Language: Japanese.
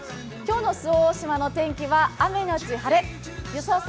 今日の周防大島の天気は雨のち晴れ予想